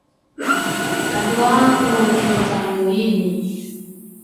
Kadrwa ku kiwcane ini